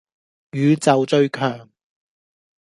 宇宙最強